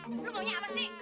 lu maunya apa sih